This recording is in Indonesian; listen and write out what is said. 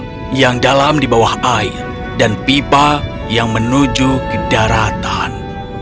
kau harus melalui gua yang dalam di bawah air dan pipa yang menuju ke daratan